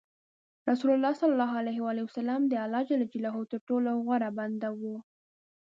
رسول الله د الله تر ټولو غوره بنده و.